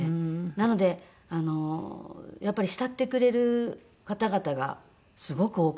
なのでやっぱり慕ってくれる方々がすごく多かったです。